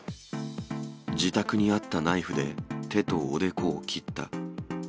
自宅にあったナイフで、手とおでこを切った。